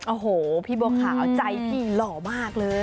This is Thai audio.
โอ้โหพี่บัวขาวใจพี่หล่อมากเลย